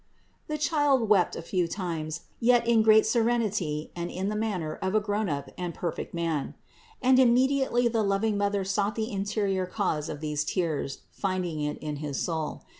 The Child wept a few times, yet in great serenity and in the manner of a grown up and perfect man; and immediately the loving Mother sought the interior cause of these tears, finding it in his soul.